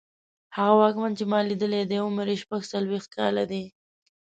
هغه واکمن چې ما لیدلی دی عمر یې شپږڅلوېښت کاله دی.